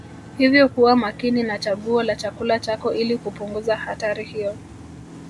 Hivyo kuwa makini na chaguo la chakula chako ili kupunguza hatari hiyo